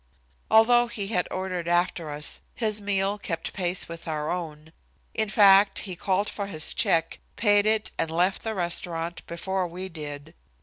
Although he had ordered after us, his meal kept pace with our own. In fact, he called for his check, paid it and left the restaurant before we did.